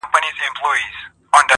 د زمانې له چپاوونو را وتلی چنار،